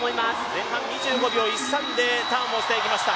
前半２５秒１３でターンをしていきました。